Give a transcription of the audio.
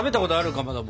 かまども。